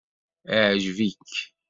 Iɛǧeb-ik?